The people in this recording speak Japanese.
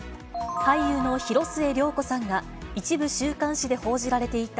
俳優の広末涼子さんが、一部週刊誌で報じられていた